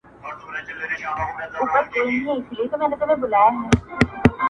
لاس دي راکه چي مشکل دي کړم آسانه؛